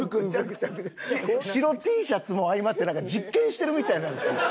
白Ｔシャツも相まってなんか実験してるみたいなんですよ。